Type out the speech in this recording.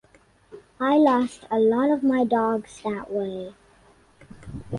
I lost a lot of my dogs that way